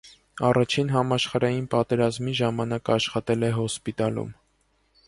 Առաջին համաշխարհային պատերազմի ժամանակ աշխատել է հոսպիտալում։